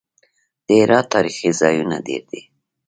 د هرات تاریخي ځایونه ډیر دي